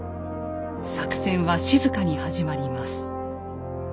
作戦は静かに始まります。